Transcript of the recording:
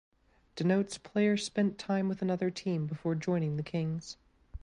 Denotes player spent time with another team before joining the Kings.